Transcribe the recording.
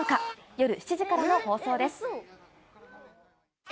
夜７時からの放送です。